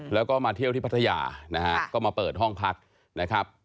แล้วก็มาเที่ยวที่พัทยานะฮะก็มาเปิดห้องพักนะครับ